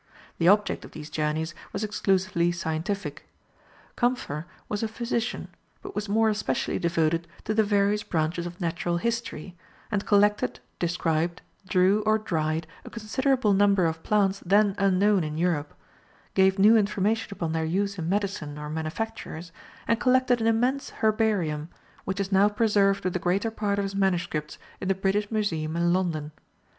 The object of these journeys was exclusively scientific. Kæmpfer was a physician, but was more especially devoted to the various branches of Natural History, and collected, described, drew, or dried, a considerable number of plants then unknown in Europe, gave new information upon their use in medicine or manufactures, and collected an immense herbarium, which is now preserved with the greater part of his manuscripts in the British Museum in London.